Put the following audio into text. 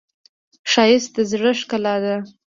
ښایست د زړه ښکلا ده